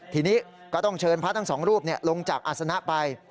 ทีนี้ก็ต้องเชิญพระทั้งสองรูปลงจากอาศนะไป